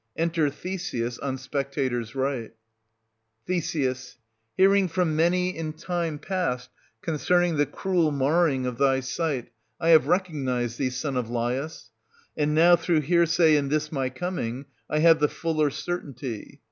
Enter THESEUS, on spectators' right, Th. Hearing from many in time past concerning the cruel marring of thy sight, I have recognised thee, son of Laius ; and now, through hearsay in this my coming, I have the fuller certainty.